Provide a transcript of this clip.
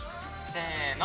せの。